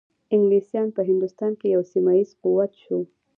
انګلیسان په هندوستان کې یو سیمه ایز قوت شو.